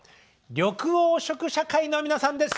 緑黄色社会の皆さんです。